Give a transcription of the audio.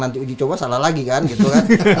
nanti uji coba salah lagi kan gitu kan